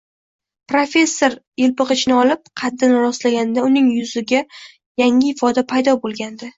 Professor elpig`ichni olib, qaddini rostlaganda, uning yuzida yangi ifoda paydo bo`lgandi